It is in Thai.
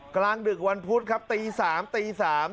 กลางดึกวันพุธครับตี๓ตี๓